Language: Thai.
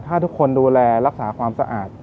ถ้าทุกคนดูแลรักษาความสะอาด